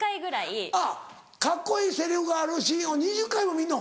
あっカッコいいセリフがあるシーンを２０回も見るの。